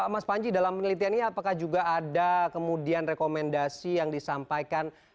mas panji dalam penelitian ini apakah juga ada kemudian rekomendasi yang disampaikan